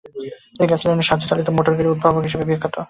তিনি গ্যাসোলিনের সাহায্যে চালিত মোটরগাড়ির উদ্ভাবক হিসেবে বিখ্যাত।